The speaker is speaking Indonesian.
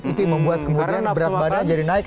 itu yang membuat kemudian berat badan jadi naik